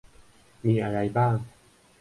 มีอะไรบ้าง